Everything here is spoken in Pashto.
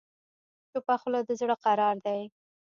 چپه خوله، د زړه قرار دی.